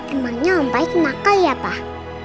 emangnya om baik nakal ya pak